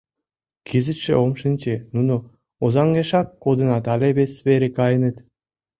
Кызытше ом шинче: нуно Озаҥешак кодыныт але вес вере каеныт...